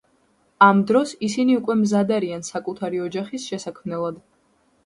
ამ დროს ისინი უკვე მზად არიან საკუთარი ოჯახის შესაქმნელად.